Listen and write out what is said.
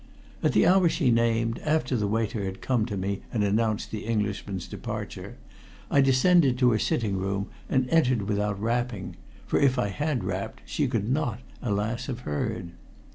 At the hour she named, after the waiter had come to me and announced the Englishman's departure, I descended to her sitting room and entered without rapping, for if I had rapped she could not, alas! have heard.